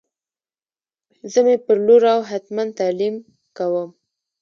زه می پر لور او هتمن تعلیم کوم